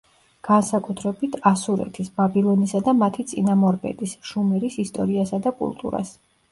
განსაკუთრებით, ასურეთის, ბაბილონისა და მათი წინამორბედის, შუმერის, ისტორიასა და კულტურას.